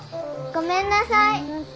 ごめんなさい。